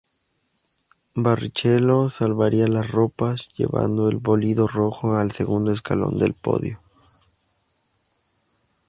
Barrichello salvaría las ropas llevando al bólido rojo al segundo escalón del podio.